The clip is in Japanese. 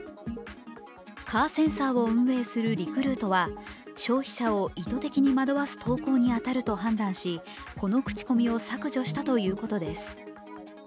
「カーセンサー」を運営するリクルートは消費者を意図的に惑わす投稿に当たると判断しこの口コミを削除したということです。